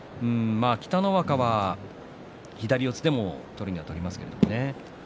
北の若は左四つでも取るには取りますけれどもね。